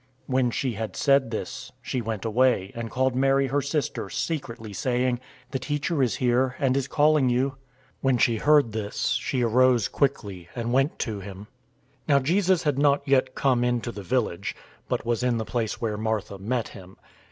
011:028 When she had said this, she went away, and called Mary, her sister, secretly, saying, "The Teacher is here, and is calling you." 011:029 When she heard this, she arose quickly, and went to him. 011:030 Now Jesus had not yet come into the village, but was in the place where Martha met him.